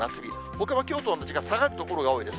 ほかはきょうと同じか、下がる所が多いです。